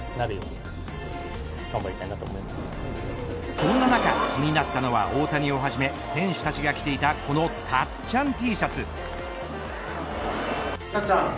そんな中気になったのは大谷をはじめ選手たちが着ていたこのたっちゃんＴシャツ。